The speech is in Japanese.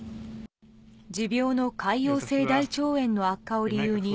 持病の潰瘍性大腸炎の悪化を理由に、